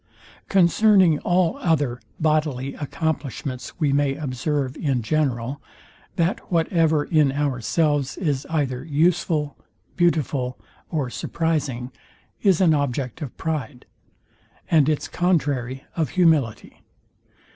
Concerning all other bodily accomplishments we may observe in general, that whatever in ourselves is either useful, beautiful, or surprising, is an object of pride; and it's contrary, of humility.